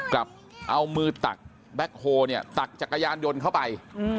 กลับเอามือตักแบ็คโฮเนี่ยตักจักรยานยนต์เข้าไป